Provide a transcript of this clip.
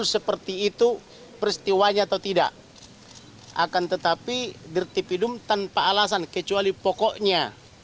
seperti itu peristiwanya atau tidak akan tetapi dirtipidum tanpa alasan kecuali pokoknya